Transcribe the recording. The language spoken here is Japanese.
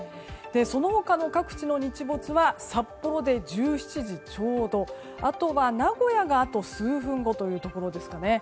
その他の各地の日没は札幌で１７時ちょうどあとは、名古屋があと数分後というところですかね。